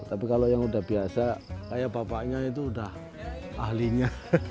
tapi kalau yang udah biasa kayak bapaknya itu udah ahlinya